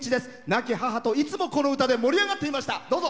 亡き母と、いつもこの歌で盛り上がっていました。